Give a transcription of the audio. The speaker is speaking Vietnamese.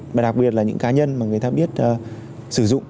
mà đặc biệt là những cá nhân mà người ta biết sử dụng